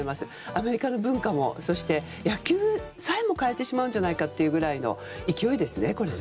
アメリカの文化も野球さえも変えてしまうんじゃないかというぐらいの勢いですね。